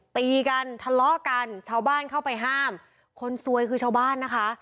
ตีกันทะเลาะกันชาวบ้านเข้าไปห้ามคนซวยคือชาวบ้านนะคะ